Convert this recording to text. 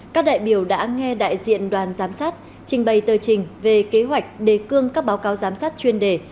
các đại biểu đã nghe đại diện đoàn giám sát trình bày tờ trình về kế hoạch đề cương các báo cáo giám sát chuyên đề